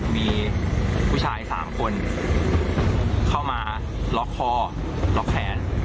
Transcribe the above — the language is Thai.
มีผู้ชาย๓คนเข้ามาล็อกคอล็อกแขน